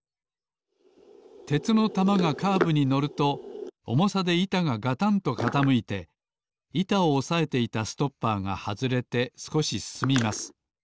鉄の玉がカーブにのるとおもさでいたががたんとかたむいていたをおさえていたストッパーがはずれてすこしすすみます。